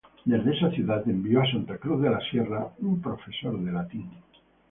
Desde esa ciudad envió a Santa Cruz de la Sierra un profesor de latín.